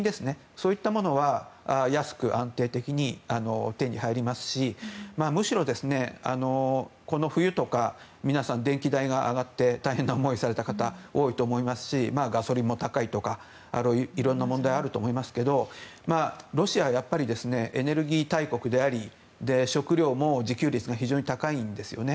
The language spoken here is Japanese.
そういったものは安く安定的に手に入りますしむしろ、この冬とか皆さん電気代が上がって大変な思いをされた方多いと思いますしガソリンも高いとか色んな問題あると思いますけどロシアやっぱりエネルギー大国であり食料も自給率が非常に高いんですよね。